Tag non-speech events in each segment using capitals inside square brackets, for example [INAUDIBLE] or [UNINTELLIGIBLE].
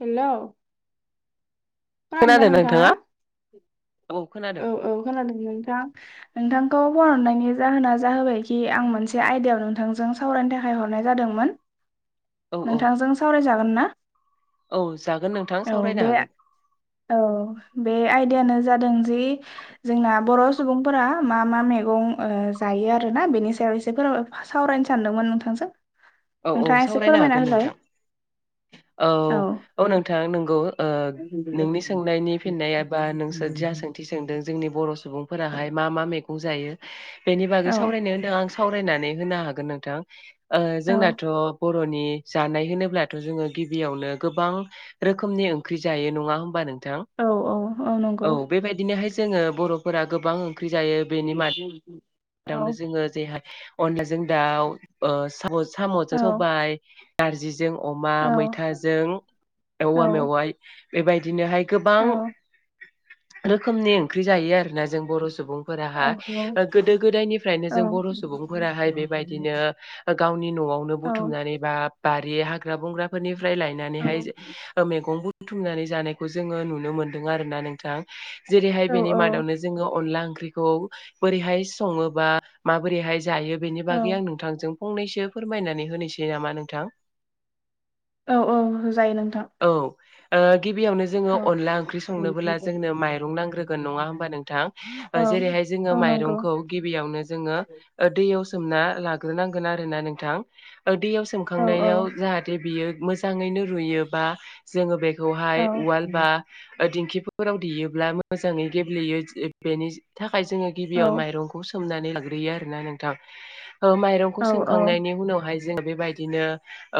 Hello मा खालामदों नोंथाङा औ औ खोनादों नोंथां नोंथां नाव फन हरनायनि जाहोना जाहोबायखि आं मोनसे आयदायाव नोंथांजों सावरायनो थाखाय हरनाय जादोंमोन औ औ नोंथांजों सावरायजागोन ना? औ जागोन नोंथां औ सावरायनो बे हागोन औ बे आयदायानो जा दों जि जोंना बर' सुबुंफोरा मा मा मेगं ओ जायो आरोना बेनि सायाव एसे फोर सावरायनो सानदोंमोन नोंथांजो औ औ सावरायनो हागोन नोंथां औ औ नोंथां नोंगौ ओ नोंनि सोंनायनि फिननाय एबा नों- सोर जा सोंथि सोंदों जोंनि बर' सुबुं- फोराहाय मा मा मैगं जायो बेनि औ बागै सावरायनो होनदों आं साव- रायनानै होनो हागोन नोंथां ओ औ जोंना अ बर'नि जानाय होनोब्लाथ' जोङो गिबियावनो गोबां रोखोमनि ओंख्रि जायो नङा होमबा नों- थां औ औ नंगौ औ बेबायदिनोहाय जोङो बर'फोरा गोबां ओंख्रि जायो बेनि औ मदावनो जोङो जे अनलाजों दाउ ओ साम' औ साम'जों सबायाइ नारजिजों अमा औ मैथाजों औ औवा मेवाय बेबायदिनोहाय गोबां औ रोखोमनि ओंख्रि जायो आरोना जों बर' सुबुंफोराहा ओ गोदो गोदायनिफ्रायनो औ जों बर' सुबुंफोराहाय बेबायदिनो गावनि न'आवनो औ बुथुमनानै बा बारि हाग्रा बंग्राफोरनिफ्राय औ औ लायनानैहाय ओ मेगं बुथु- बुथुमनानै जानायखौ जोङो नुनो मोन्दों आरो ना नोंथां जेरैहाय औ बेनि मादावनो जोङो अनला ओंख्रिखौ बोरैहाय सङोबा माबोरैहाय जायो बेनि औ बागै आं नोंथांजों फंनैसो फोरमायनानै होनिसै नामा नोंथां औ औ होजायो नोंथां औ ओ गिबियावनो जोङो औ अनला ओंख्रि संनोबोला जोंनो माइरं नांग्रोगोन नङा होमबा नोंथां ओ औ जेरैहाय जोङो औ माइरं नंगौ खौ गिबियावनो जोङो दैयाव सोमना लाग्रोनांगोन आरोना नोंथां ओ दैयाव औ औ सोमखांनायाव जाहाथे बियो मोजाङैनो रुयोबा जोङो बेखौ- औ हाय उवाल बा ओ दिंखिफोराव देयोब्ला मोजाङै गेब्लेयो बेनि थाखाय जोङो औ गिबियाव माइ- सोमनानै लाग्रोयो आरोना नोंथां ओ औ माइरंखौ औ सोमखांनायनि उावहाय जों बेबायदिनो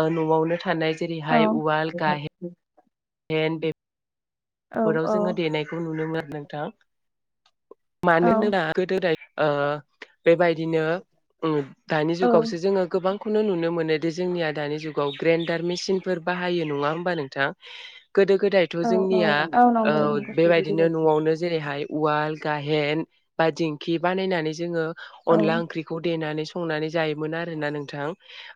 ओ न'आवनो थानाय औ जेरैहाय उवाल गाहेन- हेन बे- फोराव जोङो देनायखौ नुनो मोनो आरो नोंथां औ मानो होनोबा गोदो गोदाय ओ बेबायदिनो उम दानि औ जुगावसो जोङो गोबां खौनो नुनो मोनो दि जोंनिया दानि जुगाव ग्रेन्डार मेसिनफोर बाहायो नङा होमबा नोंथां गोदो गोदायथ' औ जोंनिया ओ नंगौ नंगौ बेबायदिनो न'आवनो जेरै हाय उवल गाहेन बा दिंखि बानायनानै जोङो औ अनला ओंख्रिखौ देनानै संनानै जायोमोन आरोना नोंथां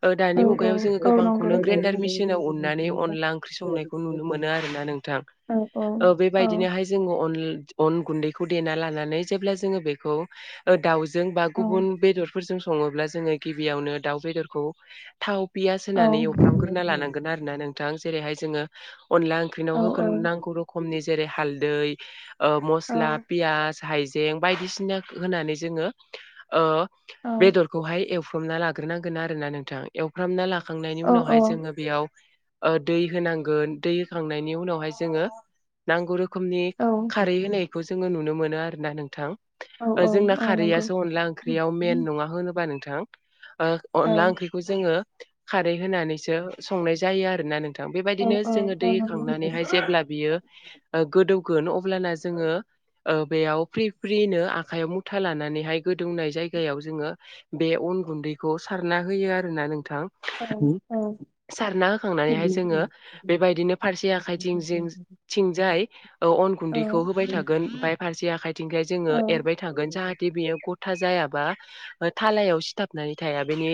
ओ दानि औ मुगायाव जोङो औ नंगौ गोबांखौनो औ औ ग्रेन्डार औ मिसिनाव उननानै अनला ओंख्रि संनायखौ नुनो मोनो आरो ना नोंथां ओ बेबायदिनोहाय जोङो अन अन गुन्दैखौ देना लानानै जेब्ला जोङो बेखौ ओ दाउजों बा गुबुन बेदरफोरजों सं- सङोब्ला जोङो गिबियावनो दाउ बेदरखौ थाव पियास होनानै अवफ्रामग्रोना लानांगोन आरो ना नोंथां जेरैहाय जोङो अनला ओंख्रिनाव औ होगोन नांगौ रोखमनि जेरै हालदै ओ मस्ला पियास हाइजें बायदिसिना होनानै जोङो ओ बेदरखौहाय एवफ्रामना लाग्रोनांगोन आरो ना नोंथां एवफ्रामना लाखां- खांनायनि उनावहाय जोङो बेयाव ओ दै होनांगोन दै होखांनायनि उनावहाय जोङो नांगौ रोखोमनि खारै होनायखौ जोङो नुनो मोनो आरोना नोंथां। औ ओ औ जोंना औ नंगौ खारैयासो अनला ओंख्रियाव मेन नङा होनोबा नों- थां ओ अनला औ ओंख्रिखौ जोङो खारै होनानैसो संनाय जायो आरोना नों- थां बेबायदिनो जोङो औ दै होखांनानैहाय नंगौ जेब्ला बियो ओ गोदौ गोन अब्लाना जोङो। ओ बेयाव फ्रि फ्रिनो आखाइयाव मुथा लानानैहाय गोदौनाय जायगायाव जोङो बे अन अन गुन्दैखौ सारना होयो आरो ना नोंथां? औ औ। सारना होखांनानैहाय जोङो बेबायदिनो फारसे आखाइ थिं जिं। थिंजाय अन औ गुन्दैखौ होबाय थागोन ओमफ्राय फारसे आखायथिंखाय औ जोङो एरबाय थागोन जाहाथे। बेयो गथा जायाबा थालायाव सिथाबनानै थाया बेनि।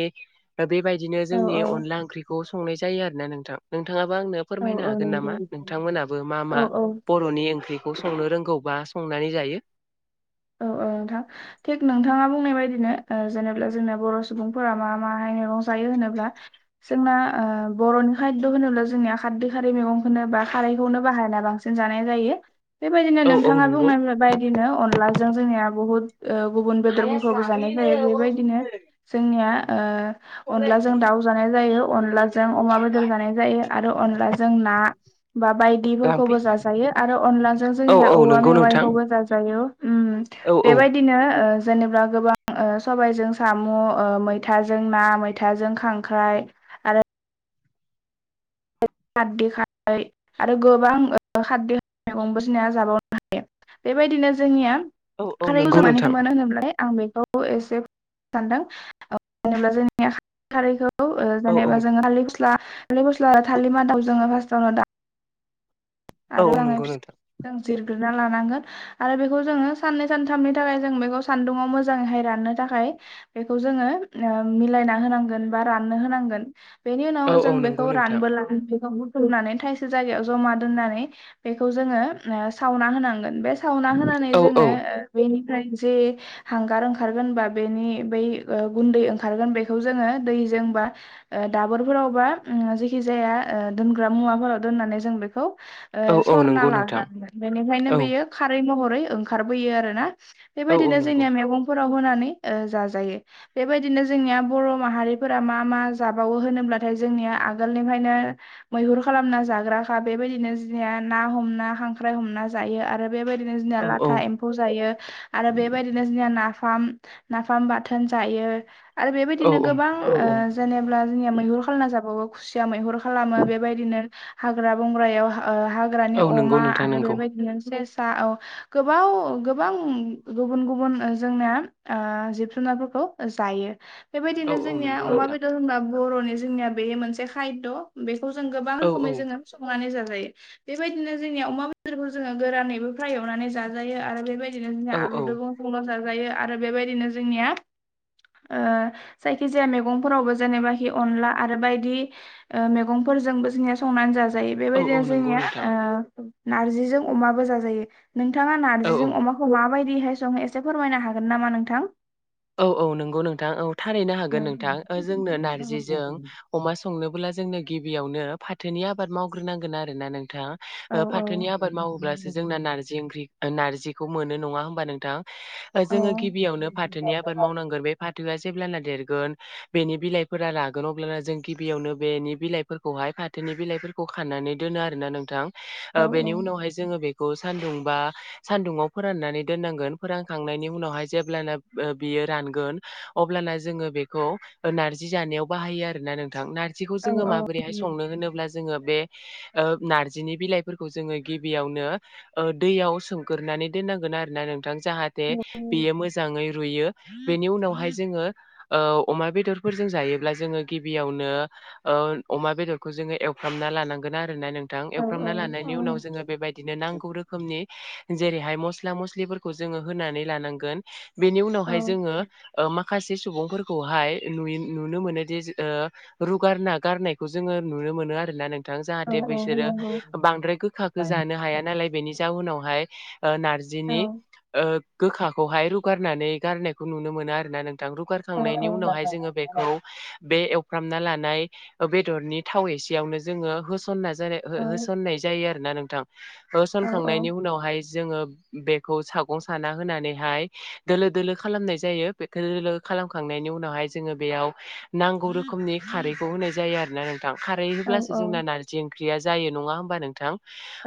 बेबायदिनो औ जोंनि औ अनला ओंख्रिखौ संनाय जायो आरो ना नोंथां नोंथाङाबा आंनो औ औ फोरमायनो हागोन नामा नंगौ नोंथांमोनाबो मा औ मा औ बर'नि ओंख्रिखौ संनो रोंगौ? बा संनानै जायो। औ औ नोंथां थिक नोंथाङा बुंनाय बायदिनो जेनेबा जोंनि बर' सुबुंफोरा मा मा? जों'नि खोब जोंनि खै [INAUDIBLE] बा खारैखौनो बाहायना बांसिन जानाय जायो। बेबायदिनो औ औ नोंथाङा नंगौ बुंनाय बायदिनो अनलाजों जोंनिया बुहुत गुबुन आइया बेदरफोरखौबो जानाय जाफैयोनो जायो अराव बेबायदिनो संनो, जोंनिया संनो अनलाजों दाउ नागिरदों जानाय जायो अनलाजों अमा बेदर जानाय जायो आरो अनलाजों ना? बा लांफै बायदिफोरखौबो जाजायो आरो अनलाजों औ जोंनिया औ औवा नंगौ नोंथां मेवाइखौबो जाजायो। ओम औ औ बेबायदिनो। जेनेबा गोबां सबायजों साम' मैथाजों ना मैथाजों खांख्राइ आरो खारदै खा आरो गोबां खारदै मैगंबो सिनाया जाबावनो हायो बेबायदिनो जोंनिया औ औ खारै नंगौ जों नोंथां मानाफाराय मोनो होनोब्ला आं बेखौ एसे सानदों जोब्ला जोंनि खारैखौ औ औ जेनेबा जोङो थालिर गस्ला थालिर गस्ला थालिर मादा जोङो फार्स्टआवनो दा औ आरो औ लांनाय नंगौ नोंथां बिफांखौ जिरो। जिरना लानांगोन आरो बेखौ जोङो साननै सानथामनि थाखाय जों बेखौ सानदुंङाव मोजाङैहाय राननो थाखाय बेखौ जोङो मिलायना होनांगोन बा राननो होनांगोन। बेनि औ उनाव औ जों नंगौ बेखौ नोंथां रानबोला बेखौ बुथुमनानै थाइसे जायगायाव जमा। दोननानै बेखौ जोङो सावना होनांगोन बे सावना होनानै औ औ जोङो। जे हांगार ओंखारगोन बेनि बै गुन्दै ओंखारगोन बेखौ जोंडो। जोंबा दाबोरफोरावबा जेखि जाया दोनग्रा मुवाफोराव दोननानै जों बेखौ। औ औ सरना नंगौ नोंथां लाजायो बेनिखायनो औ बेयो खारै महरै ओंखारबोयो आरो ना। औ औ बेबायदिनो नंगौ जोंनिया मैगं ज बेबायदिनो जोंनि बर माहारिफोरा मा मा जाबावो नाथाय जोंनि आगोलनिफ्रायनो मैहुर खालामना जाग्राखा बेबायदि। बिदिनो जनिया ना हमना खांख्राइ हमना जायो आरो। बेबायदिनो जोंनिया औ औ लाथा एम्फौ जायो आरो बेबायदिनो जोंनिया ना। नाफाम नाफाम बाथोन जायो आरो औ बेबायदिनो गोबां। जेनेबा जोंनिया मैहुर खालामना जाबावो खुसिया मैहुर खालामो बेबायदिनो हाग्रा बंग्रायाव। हाग्रानि औ नंगौ अमा नोंथां आरो नंगौ बेबायदिनो सेसा औ गोबां गोबां गुबुन गुबुन जोंनि जिब जुनारफोरखौ। जायो। औ बेबायदिनो औ जोंनिया नंगौ अमा नोंथां बेदर होनबा बर'नि जोंनिया बेयो मोनसे खायद बे बे खौ जों गोबां औ रोखोमै औ जोङो संनानै जाजायो। बेबायदिनो जोंनि अमा बेदरखौ जोङो गोरानैबो फ्राय एवनानै जाजायो आरो बेबायदि। बिदिनो जोंया औ आलुजोंबो संना जाजायो आरो बेबायदिनो जोंनिया जायखि जाया मेगंफोरावबो जेनेबाखि अनला आरो बायदि मैगं जोंबो जोंनिया संनानै जाजायो। जायो औ औ बेबायदिनो नंगौ जोंनिया नोंथां नारजिजों अमाबो जाजायो। नोंथाङा औ औ नार्जिजों अमाखौ माबायदिहाय संडो़एसे फोरमायनो हागोन नामा नोंथां? औ औ नंगौ नोंथां औ थारैनो औ हागोन नोंथां जोंनो नारजिजों अमा संनोबोब्ला जोंनो गिबियावनो फाथोनि आबाद मावग्रोनांगोन आरो ना नोंथाङा औ ओ फाथोनि आबाद मावोब्लासो जोंना नारजि ओंख्रि नारजिखौ मोनो नङा होनोमबा नोंथां? औ जोङो गिबियावनो फा थोनि आबाद मावनांगोन बे फाथोआ जेब्ला देरगोन बेनि बिलाइफोरा रागोन अब्लानिया जों गिबियावनो बेनि बिलाइफोरखौहाय फाथोनि बिलाइफोरखौ खाननानै दोनो आरोना नोंथां। औ ओ बेनि उनावहाय जोङो बे खौ सान्दुं बा सान्दुङाव फोराननानै दोननांगोन फोरानखांनायनि उनावहाय जेब्लानो बियो रानगोन अब्लाना जोङो बेखौ नारजि जानायाव बाहायो आरोना नोंथां नार जिखौ औ जोङो औ माबोरैहाय संनो होनोब्ला जोङो बे ओ नारजिनि बिलाइफोरखौ जोङो गिबियावनो दैयाव सोमगोरोना माने दोननांगोन आरोना नोंथां जाहाथे बियो मोजाङै रुयो बेनि उनावहाय जोङो अमा बेदरफोरजों जायोब्ला जोङो गिबियावनो ओ अमा बेदरखौ जोङो एवफ्रामना लानांगोन आरो ना नोंथां एवफ्रामना लानायनि उनाव जोङो बेबायदिनो नांगौ रोखोमनि जेरैहाय मस्ला मस्लिफोरखौ जोङो होनानै लानांगोन बेनि औ उनावहाय जोङो मा खासे सुबुंफोरखौहाय नुनो मोनोदि रुगारना गारनायखौ जोङो नुनो मोनो आरोना नोंथां जाहाथे औ औ बिसोरो नंगौ बांद्राय गोखाखौ जानो हाया नालाय बेनि जाउनावहाय ओ औ नारजिनि ओ गोखाखौहाय रु गारनानै गारनायखौ नुनो मोनो आरोना नोंथां औ रुगारखांनायनि औ उनावहाय औ जोङो बेखौ बे एव फ्रामना लानाय बेदरनि थाव एसेयावनो जोङो होसनना ज होसननाय जायो आरो। [UNINTELLIGIBLE] नोंथां ओ औ होसनखांनायनि उनावहाय जोङो बेखौ सागं साना होनानैहाय दोलो दोलो खालामनाय जायो बे दोलो दोलो खालामखांनायनि उनावहाय जोङो बेयाव नांगौ रोखोमनि खारैखौ होनाय जायो आरोना नोंथां खारै होब्लासो जोंना नारजि ओंख्रिया जायो नङा होमबा नोंथां?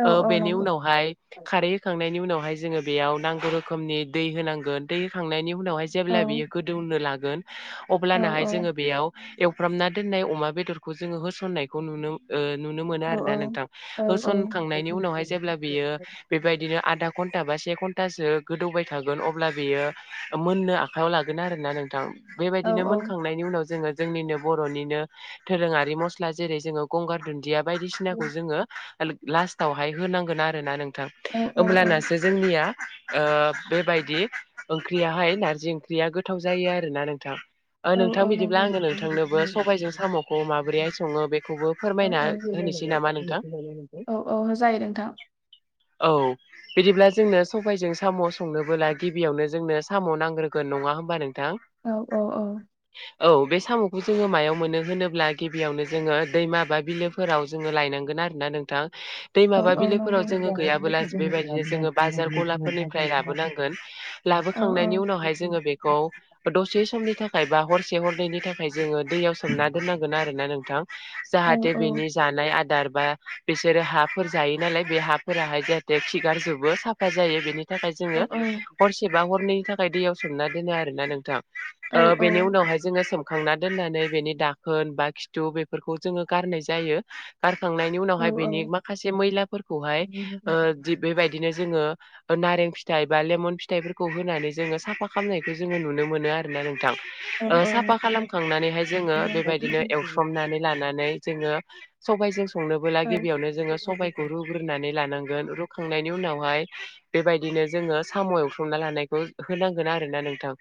औ ओ औ बेनि नंगौ उनावहाय खारै होखांनायनि उनाव बेहाय जोङोयाव नांगौ रोखोमनि दै होनांगोन दै होखांनायनि उनावहाय जेब्ला बियो गोदौनो ला औ अब्लानाहाय औ जोङो बेयाव एवफ्रामना दोननाय अमा बेदरखौ जोङो होसननायखौ नुनो नुनो मोनो औ आरो ना नोंथां औ औ होसनखांनायनि उनावहाय जेब्ला बियो बेबायदिनो आधा घन्टा बा से घन्टासो गोदौबाय थागोन अब्ला बेयो मोननो आखायाव लागोन आरोना नोंथां औ बेबायदिनो औ मोनखांनायनि उनाव जोङो जोंनिनो बर'निनो दोरोङारि मस्ला जेरै जोङो गंगार दुन्दिया बायदिसिनाखौ जो लाावहाय होनांगोन आरोना नों थां औ औ होमब्लानासो जोंनिया बेबायदि ओंख्रियाहाय नारजि ओंख्रिया गोथाव जायो आरोना नोंथां। ओ नोंथां औ बिदिब्ला नंगौ आङो नोंथांनोबो सबायजों साम'खौ माबोरैहाय सङो बेखौबो फोरमायना [INAUDIBLE] होनोसै नामा नोंथां औ औ जायो नोंथां औ बिदिब्ला जोंनो सबायजों साम' संनोबोला गिबियावनो जोंनो साम' नांग्रोगोन नङा होमबा नों औ औ औ औ बे साम'खौ जोङो मायाव मोनो होनोब्ला गिबियावनो जोङो दैमा बा बिलोफोराव जोङो लायनांगोन। आरोना नोंथां दै औ माबा औ बिलोफोराव नंगौ जोङो औ औ गैयाबोला बेबायदिनो औ जोङो बाजार गलाफोरनिफ्राय लाबोनांगोन। औ लाबोखांनायनि उनावहाय जोङो बेखौ दसे समनि थाखाय बा हर से हरननि थाखाय जोङो दैयाव सोमना दोननांगोन आरोना नोंथां। औ नंगौ जाहाथे बेनि जानाय आदार बा बिसोरो हाफोर जायो नालाय बे हाफोराहाय जाहाथे खिगारजोबो साफा जायो बेनि नि थाखाय औ जोङो बा हरनैनि थाखाय दैयाव सोमना दोनो आरोना नोंथां औ ओ बेनि उनावहाय जों खांना दोननानै बेनि दाखोन बा खिथु बेफोरखौ जोङो गारनाय जायो। गारखांनायनि उनावहाय औ औ नंगौ बेनि माखासे मैलाफोरखौहाय जि बेबादिनो जोङो नारें फिथाइ बा लेमन फि थाइफोरखौ होनानै जोंङो साफा खालामनायखौ जोंङो नुनो मोनो आर ना नोंथां ओ साफा खालामखांनानैहाय जोंङो बेबायदिनो एवस्रोमनानै लानानै जोंङो सबबायजों संनोबोला गिबियावनो जोंङो सबायखौ रुग्रोनानै लानांगोन रुखांनायनि उनावहाय बेबायदिनो जोंङो साम' एथ्रमना लानायखौ होनांगोन आरो ना नोंथां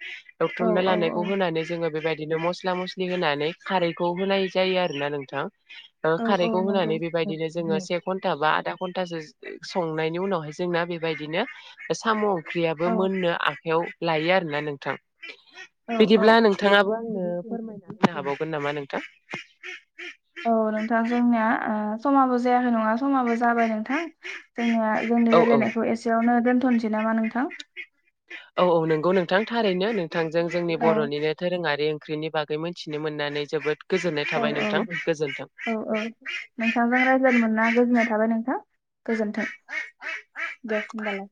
दथुमना लानायखौ होनानै जोंङो बेबायदि बिदिनो मस्ला मस्लि होनानै खारैखौ होनाय जायो आरो ना नोंथां खारैखौ होनानै बेबायदिनो जोंङो से घन्टा बा आदा घा [UNINTELLIGIBLE] उनाव जोंना बेबादिनो साम औ बो मोननो आखायाव लायो आरोना नोंथां औ औ बिदिब्ला नोंथांङाबो आंनो फोरमायना होनो हाबावगोन नामा नोंथां औ नोंथां जोंनिया समाबो जायाखै नंङा समाबो जाबाय नोंथां जोंनिया जोंनि औ औ रायलायनायखौ एसेयावनो दोनथ'नोसै नामा नोंथां? औ औ नोंगौ नोंथां थारैनो नोंथांजों जोंनि औ बर'निनो दोरोंङारि ओंख्रिनि बागै मोनथिनो मोननानै जोबोद गोजोननाय औ थाबाय औ नोंथां गोजोन्थों औ औ नोंथांजों रायज्लनो मोना गोजोननाय थाबाय नोंथां गोजोन्थों दे होनोमबालाय